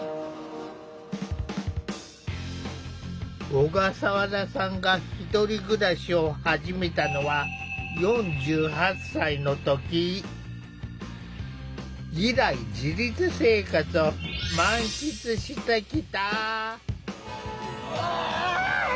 小笠原さんが１人暮らしを始めたのは以来自立生活を満喫してきた。